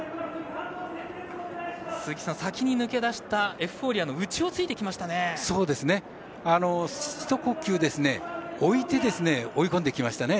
鈴木さん、先に抜け出したエフフォーリアの内をついてきましたね。